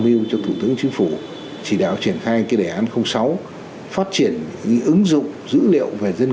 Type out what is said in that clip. mưu cho thủ tướng chính phủ chỉ đạo triển khai đề án sáu phát triển ứng dụng dữ liệu về dân